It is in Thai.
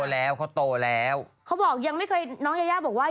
แล้วก็เขาบอกว่ามีข่าวออกมาว่า